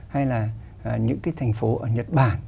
hay là những cái thành phố ở nhật bản